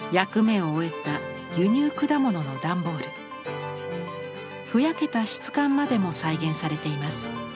ふやけた質感までも再現されています。